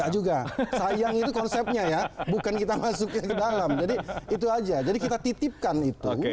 juga sayang itu konsepnya ya bukan kita masukin ke dalam jadi itu aja jadi kita titipkan itu